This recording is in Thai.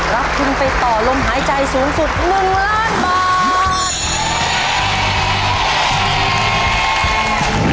รับทุนไปต่อลมหายใจสูงสุด๑ล้านบาท